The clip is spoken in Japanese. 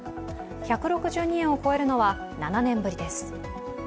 １６２円を超えるのは７年ぶりです。